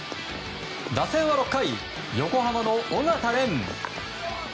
打線は６回横浜の緒方漣。